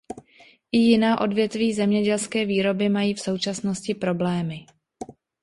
I jiná odvětví zemědělské výroby mají v současnosti problémy.